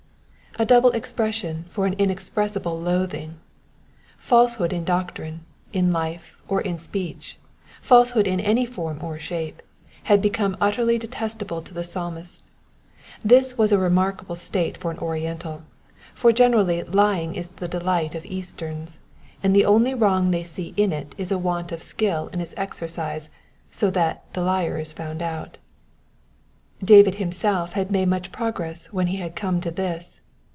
'''* A double expression for an inexpressible loathing. Falsehood in doctrine, in life, or in speech, falsehood in any form or shape, had become utterly detestable to the Psalmist. This was a remark able state for an Oriental, for generally lying is the delight of Easterns, and the only wrong they see in it is a want of skill in its exercise so that the liar is found out. David himself had made much progress when he had come to this.